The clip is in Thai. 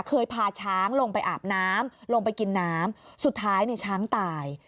เคยพาช้างลงไปอาบน้ำลงไปกินน้ำสุดท้ายในช้างตาย